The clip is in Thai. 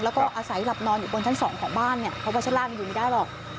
แล้วก็อาศัยหลับนอนอยู่บนชั้นสองของบ้านเนี่ยเพราะว่าชั้นล่างมันอยู่ไม่ได้หรอก